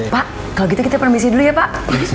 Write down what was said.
pak kalau gitu kita permisi dulu ya pak